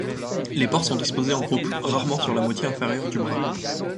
Les pores sont disposés en groupes, rarement sur la moitié inférieure des bras.